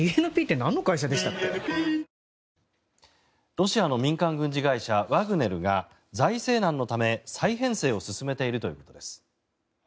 ロシアの民間軍事会社ワグネルが財政難のため、再編成を進めているということです。